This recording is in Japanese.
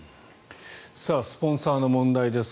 スポンサーの問題です。